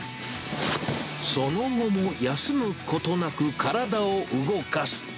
その後も休むことなく、体を動かす。